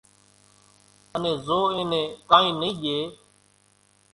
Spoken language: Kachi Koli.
انين زو اين نين ڪانئين نئي ڄي